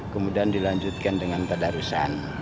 kemudian dilanjutkan dengan tadarusan